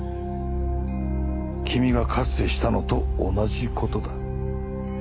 君がかつてしたのと同じ事だ。